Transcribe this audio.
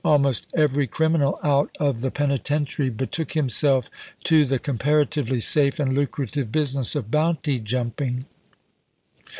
Almost every criminal out of the penitentiary betook himself to the comparatively safe and lucrative business of bounty jumping.